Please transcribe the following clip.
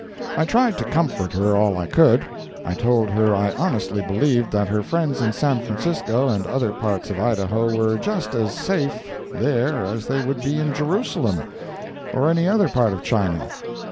I tried to comfort her all I could; I told her I honestly believed that her friends in San Francisco and other parts of Idaho were just as safe there as they would be in Jerusalem or any other part of China.